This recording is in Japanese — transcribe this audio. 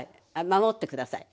守って下さい。